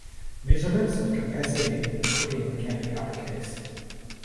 Measurements of capacity in cooking can be uppercase.